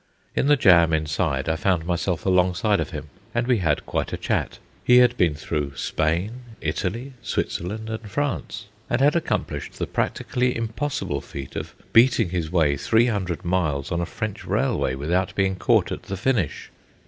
In the jam inside I found myself alongside of him, and we had quite a chat. He had been through Spain, Italy, Switzerland, and France, and had accomplished the practically impossible feat of beating his way three hundred miles on a French railway without being caught at the finish.